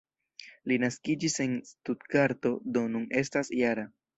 Li naskiĝis en Stutgarto, do nun estas -jara.